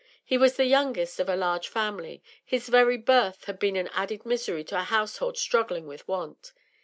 He was the youngest of a large family; his very birth had been an added misery to a household struggling with want.